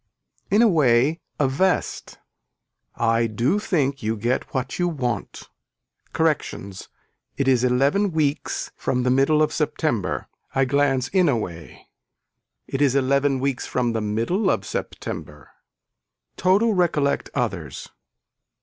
In a way a vest. I do think you get what you want. Corrections. It is eleven weeks from the middle of September. I glance in a way. It is eleven weeks from the middle of September. Total recollect others.